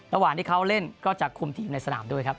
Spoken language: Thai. ระหว่างที่เขาเล่นก็จะคุมทีมอยู่ในสนามด้วยครับ